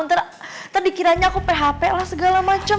nanti dikiranya aku php lah segala macam